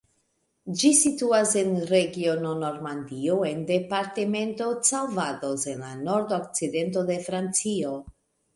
Ĝi situas en regiono Normandio en departemento Calvados en la nord-okcidento de Francio.